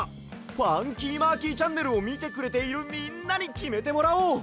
「ファンキーマーキーチャンネル」をみてくれているみんなにきめてもらおう！